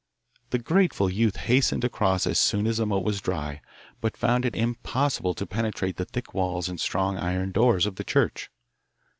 The grateful youth hastened across as soon as the moat was dry, but found it impossible to penetrate the thick walls and strong iron doors of the church.